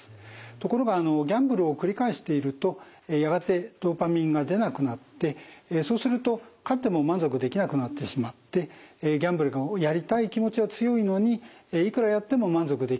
ところがギャンブルを繰り返しているとやがてドパミンが出なくなってそうすると勝っても満足できなくなってしまってギャンブルをやりたい気持ちは強いのにいくらやっても満足できない。